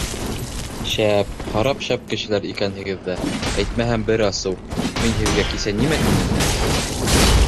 — Шәп, харап шәп кешеләр икәнһегеҙ ҙә, әйтмәһәм бер асыу, мин һеҙгә кисә нимә тинем?